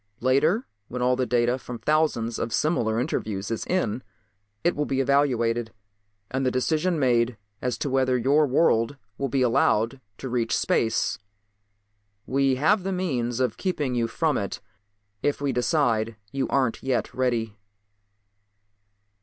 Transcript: Later, when all the data from thousands of similar interviews is in it will be evaluated and the decision made as to whether your world will be allowed to reach space. We have the means of keeping you from it if we decide you aren't yet ready."